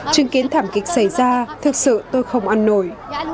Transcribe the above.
chứng kiến thảm kịch xảy ra thực sự tôi không ăn nổi